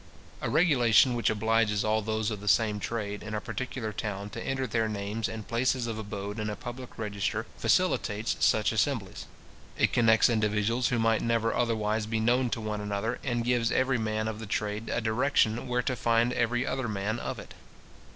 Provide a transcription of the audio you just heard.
A regulation which obliges all those of the same trade in a particular town to enter their names and places of abode in a public register, facilitates such assemblies. It connects individuals who might never otherwise be known to one another, and gives every man of the trade a direction where to find every other man of it.